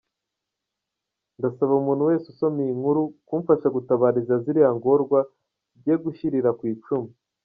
Ndasaba umuntu wese usoma iyi nkuru kumfasha gutabariza ziriya ngorwa zigiye gushirira ku icumu.